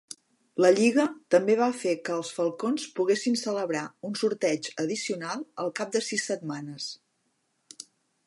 La lliga també va fer que els Falcons poguessin celebrar un sorteig addicional al cap de sis setmanes.